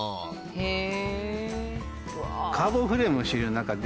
へえ！